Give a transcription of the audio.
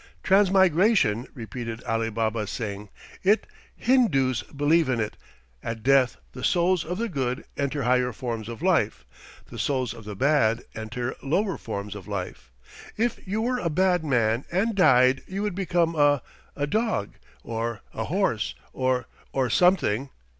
"Transmigration," repeated Alibaba Singh. "It Hindoos believe in it. At death the souls of the good enter higher forms of life; the souls of the bad enter lower forms of life. If you were a bad man and died you would become a a dog, or a horse, or or something.